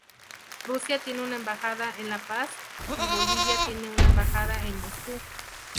Rusia tiene una embajada en La Paz y Bolivia tiene una embajada en Moscú.